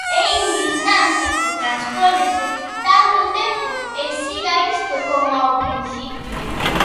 "É indignante que transcorrese tanto tempo e siga isto como ao principio".